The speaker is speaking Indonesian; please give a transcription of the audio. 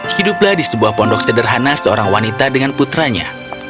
hiduplah di sebuah pondok sederhana seorang wanita dengan putranya